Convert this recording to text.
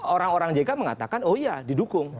orang orang jk mengatakan oh iya didukung